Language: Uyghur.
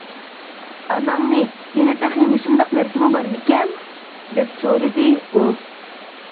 «ئاناڭنى، يەنە تېخى مۇشۇنداق نەرسىمۇ بارمىكەن؟ » دەپ سورىدى ئۇ.